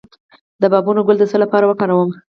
د بابونه ګل د څه لپاره وکاروم؟